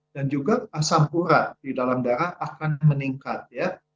dan juga asam pura di dalam darah akan meningkat